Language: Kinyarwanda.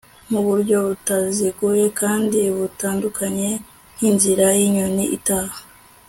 Nkuburyo butaziguye kandi butandukanye nkinzira yinyoni itaha